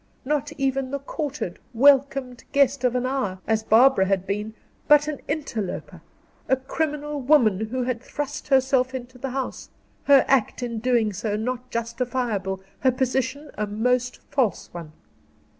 Not even the courted, welcomed guest of an hour, as Barbara had been; but an interloper; a criminal woman who had thrust herself into the house; her act, in doing so, not justifiable, her position a most false one.